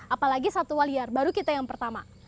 apalagi satu waliar baru kita yang pertama